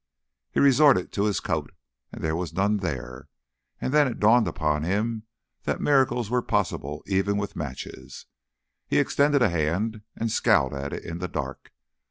He resorted to his coat, and there was none there, and then it dawned upon him that miracles were possible even with matches. He extended a hand and scowled at it in the dark.